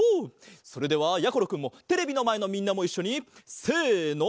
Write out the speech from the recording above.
それではやころくんもテレビのまえのみんなもいっしょにせの。